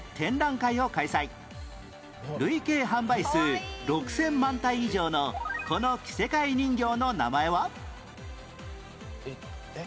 累計販売数６０００万体以上のこの着せ替え人形の名前は？えっ？